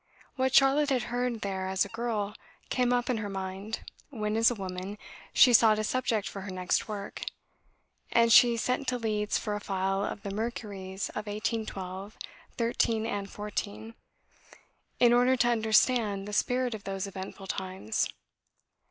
What Charlotte had heard there as a girl came up in her mind when, as a woman, she sought a subject for her next work; and she sent to Leeds for a file of the Mercuries of 1812, '13, and '14; in order to understand the spirit of those eventful times.